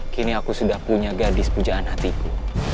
kini aku sudah punya gadis pujaan hatiku